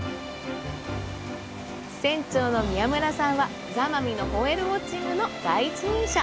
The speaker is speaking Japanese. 船長の宮村さんは、座間味のホエールウォッチングの第一人者。